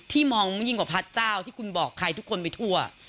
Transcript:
มองยิ่งกว่าพระเจ้าที่คุณบอกใครทุกคนไปทั่ว